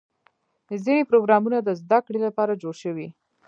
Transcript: ځینې پروګرامونه د زدهکړې لپاره جوړ شوي.